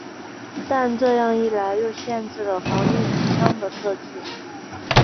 但这样一来又限制了防御机枪的射界。